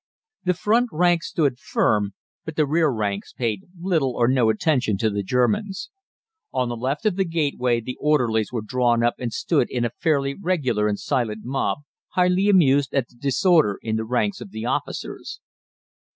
The front ranks stood firm, but the rear ranks paid little or no attention to the Germans. On the left of the gateway the orderlies were drawn up and stood in a fairly regular and silent mob, highly amused at the disorder in the ranks of the officers.